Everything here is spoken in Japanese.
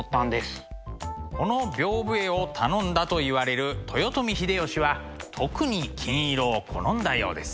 この屏風絵を頼んだといわれる豊臣秀吉は特に金色を好んだようです。